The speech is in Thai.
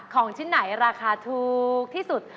ของชิ้นไหนราคาถูกที่สุด